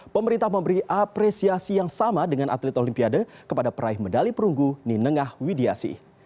pemerintah memberi apresiasi yang sama dengan atlet olimpiade kepada peraih medali perunggu ninengah widiasi